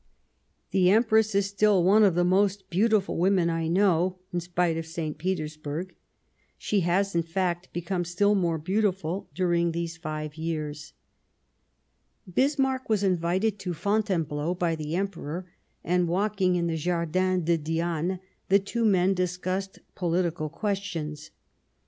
. The Empress is still one of the most beautiful women I know ; in spite of St. Petersburg, she has in fact become still more beautiful during these five years." 54 The First Passage of Arms Bismarck was invited to Fontainebleau by the Emperor, and, walking in the Jardin de Diane, the two men discussed pohtical questions.